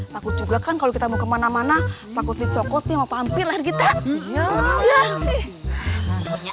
takut juga kan kalau kita mau kemana mana takut dicokot yang hampir kita ya ya ya